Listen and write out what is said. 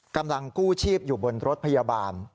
กำลังกู้ชีพอยู่บนรถพยาบาล